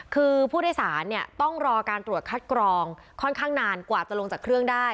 คือผู้โดยสารเนี่ยต้องรอการตรวจคัดกรองค่อนข้างนานกว่าจะลงจากเครื่องได้